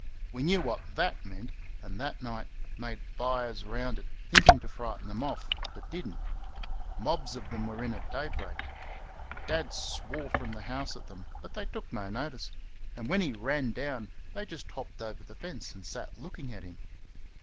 We knew what THAT meant, and that night made fires round it, thinking to frighten them off, but did n't mobs of them were in at daybreak. Dad swore from the house at them, but they took no notice; and when he ran down, they just hopped over the fence and sat looking at him.